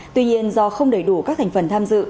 tuy nhiên do không đầy đủ các thành phần tham dự